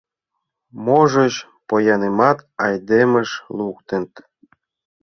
Можыч, поянымат айдемыш луктыт?